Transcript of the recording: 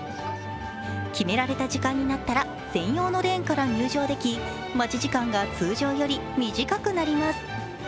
決められた時間になったら専用のレーンから入場でき待ち時間が通常より短くなります。